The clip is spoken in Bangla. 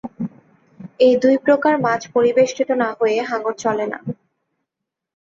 এই দুইপ্রকার মাছ পরিবেষ্টিত না হয়ে হাঙ্গর চলেন না।